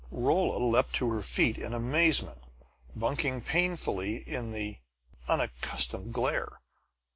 Rolla leaped to her feet in amazement, bunking painfully in the unaccustomed glare.